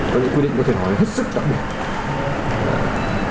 có những quy định có thể nói là hết sức đặc biệt